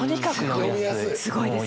すごいですね。